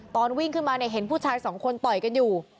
ตอนวิ่งขึ้นมาเนี่ยเห็นผู้ชายสองคนต่อยกันอยู่